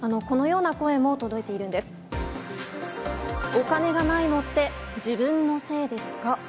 お金がないのって自分のせいですか？